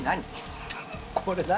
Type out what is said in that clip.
これ何？